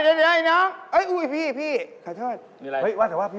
ขาลวะไม่ได้มันมีโปรดพี่ทำลงมือค่อนให้พวกนี้